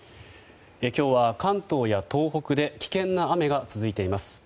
今日は関東や東北で危険な雨が続いています。